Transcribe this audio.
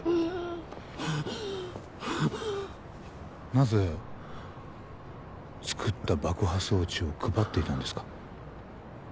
なぜ作った爆破装置を配っていたんですか？